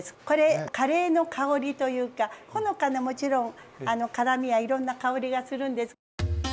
これカレーの香りというかほのかなもちろん辛みやいろんな香りがするんです。